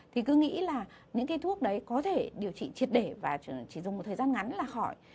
thì cứ nghĩ là những cái thuốc đấy có thể điều trị triệt để và chỉ dùng một thời gian ngắn là khỏi